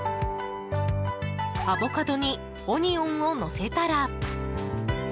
アボカドにオニオンをのせたら。